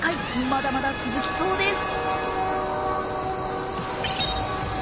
まだまだ続きそうです。